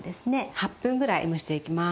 ８分ぐらい蒸していきます。